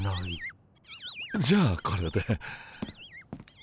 じゃあこれで。